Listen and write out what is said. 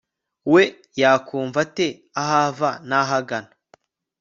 we yakumva ate aho ava n'aho agana